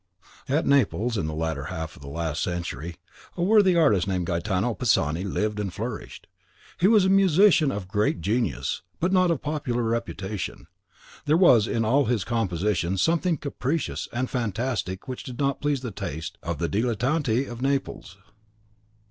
At Naples, in the latter half of the last century, a worthy artist named Gaetano Pisani lived and flourished. He was a musician of great genius, but not of popular reputation; there was in all his compositions something capricious and fantastic which did not please the taste of the Dilettanti of Naples.